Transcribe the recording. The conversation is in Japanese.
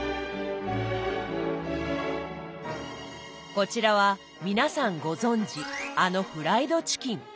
こちらは皆さんご存じあのフライドチキン。